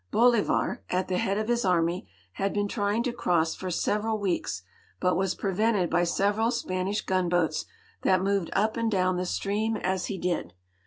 Bolivar, at the liead of his army, had been trying to cross for several weeks, but was prevented b}' several Spanish gunijoats that moved up and down the stream as he did.